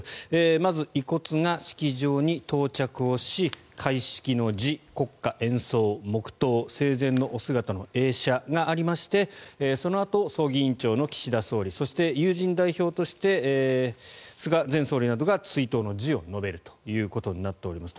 まず、遺骨が式場に到着をし開式の辞国歌演奏、黙祷生前のお姿の映写がありましてそのあと、葬儀委員長の岸田総理そして友人代表として菅前総理などが追悼の辞を述べるということになっております。